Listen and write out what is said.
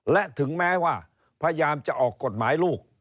และถึงแม้ว่าพยายามจะออกกฎหมายลูก